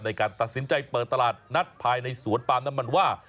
ในการตัดสินใจเปิดตลาดนัดภายในสวนปาล์มน้ำมันว่า